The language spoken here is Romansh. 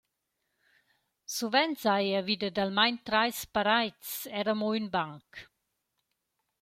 Suvent s’haja vi dad almain trais paraids eir amo ün banc.